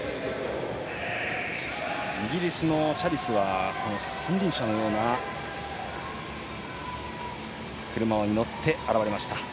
イギリスのチャリスは三輪車のような車に乗って現れました。